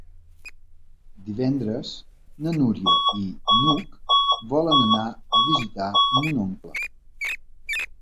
Divendres na Núria i n'Hug volen anar a visitar mon oncle.